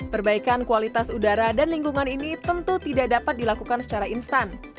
perbaikan kualitas udara dan lingkungan ini tentu tidak dapat dilakukan secara instan